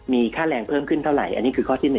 มีค่าแรงเพิ่มขึ้นเท่าไหร่อันนี้คือข้อที่๑